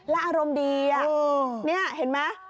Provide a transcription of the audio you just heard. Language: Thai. และอารมณ์ดีนี่เห็นมั้ย